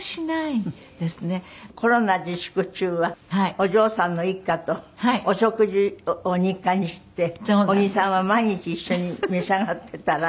お嬢さんの一家とお食事を日課にして小木さんは毎日一緒に召し上がっていたら。